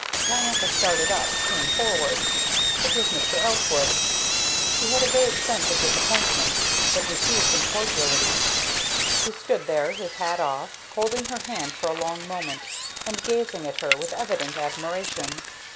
Diantha started up, came forward, it was Mr. Eltwood. She had a vague sense of disappointment, but received him cordially. He stood there, his hat off, holding her hand for a long moment, and gazing at her with evident admiration.